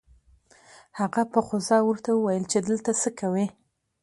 هغه په غصه ورته وويل چې دلته څه کوې؟